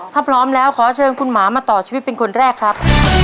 ถ้าพร้อมแล้วขอเชิญคุณหมามาต่อชีวิตเป็นคนแรกครับ